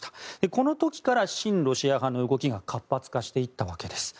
この時から親ロシア派の動きが活発化していったわけです。